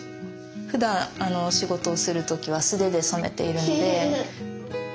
ふだん仕事をする時は素手で染めているので。